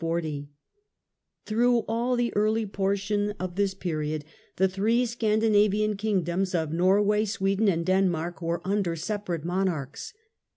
Scandi Through all the early portion of our period, the three Sgdoms Scandinavian Kingdoms of Norway, Sweden and Den mark were under separate monarchs.